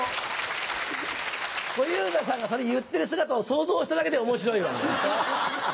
小遊三さんがそれ言ってる姿を想像しただけで面白いわ。